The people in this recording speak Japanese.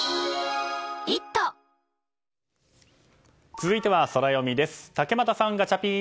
続いてはソラよみです。